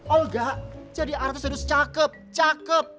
olga jadi artis harus cakep cakep